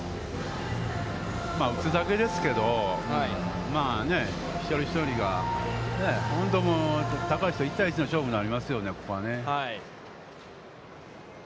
打つだけですけど、まあね、一人一人が高橋と１対１の勝負になりますよね、ここはね。